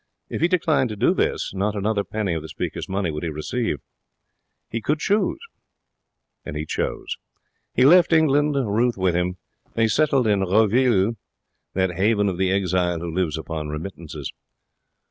If he declined to do this, not another penny of the speaker's money would he receive. He could choose. He chose. He left England, Ruth with him. They settled in Roville, that haven of the exile who lives upon remittances.